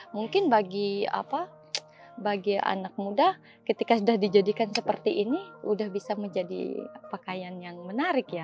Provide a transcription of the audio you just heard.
mungkin bagi anak muda ketika sudah dijadikan seperti ini sudah bisa menjadi pakaian yang menarik ya